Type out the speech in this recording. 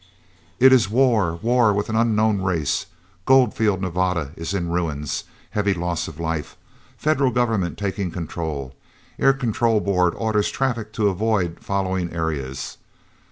"It is war, war with an unknown race. Goldfield, Nevada, is in ruins. Heavy loss of life. Federal Government taking control. Air Control Board orders traffic to avoid following areas...."